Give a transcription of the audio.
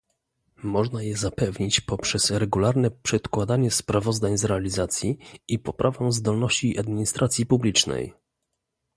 Można je zapewnić poprzez regularne przedkładanie sprawozdań z realizacji i poprawę zdolności administracji publicznej